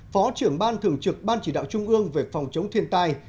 phó trưởng ban thường trực ban chỉ đạo trung ương về phòng chống thiên tai